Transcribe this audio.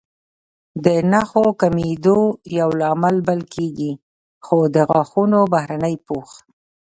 د نښو کمېدو یو لامل بلل کېږي، خو د غاښونو بهرنی پوښ